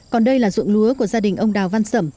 còn đây là ruộng lúa của gia đình ông đào văn sẩm